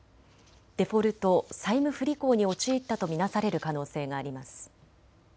デフォルト・債務不履行に陥ったと見なされる可能性があります。